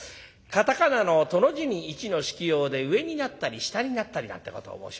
「カタカナのトの字に一の引きようで上になったり下になったり」なんてことを申しましてね。